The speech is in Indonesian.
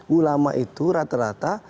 ulama itu rata rata